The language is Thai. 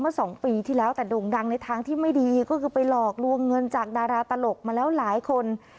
สองปีที่แล้วแต่โด่งดังในทางที่ไม่ดีก็คือไปหลอกลวงเงินจากดาราตลกมาแล้วหลายคน